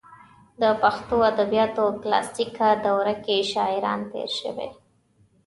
په پښتو ادبیاتو کلاسیکه دوره کې شاعران تېر شوي.